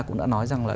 cũng đã nói rằng là